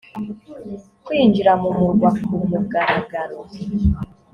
kwinjira mu murwa ku mugaragaro